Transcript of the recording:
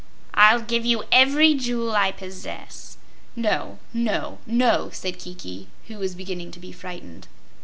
"I'll give you every jewel I possess." "No, no, no!" said Kiki, who was beginning to be frightened.